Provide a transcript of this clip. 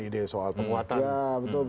ide soal penguatan demokrasi